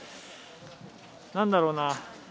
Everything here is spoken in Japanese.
何だろうな。